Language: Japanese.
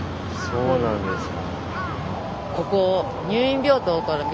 そうなんですか。